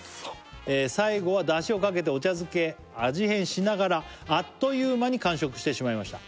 「最後は出汁をかけてお茶漬け」「味変しながらあっという間に完食してしまいました」